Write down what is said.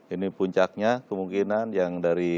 ini puncaknya kemungkinan yang dari